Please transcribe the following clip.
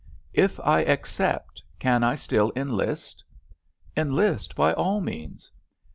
"If I accept, can I still enlist?" "Enlist by all means."